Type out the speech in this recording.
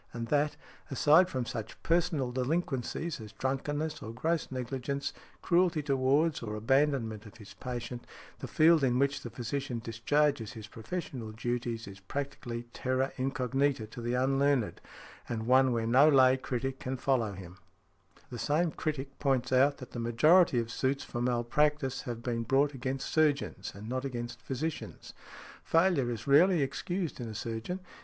And that, aside from such personal delinquencies as drunkenness, or gross negligence, cruelty towards, or abandonment of his patient, the field in which the physician discharges his professional duties is practically terra incognita to the unlearned, and one where no lay critic can follow him" . The same critic points out that the majority of suits for malpractice have been brought against surgeons and not against physicians. "Failure is rarely excused in a surgeon.